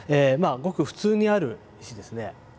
ごく普通にある石ですね。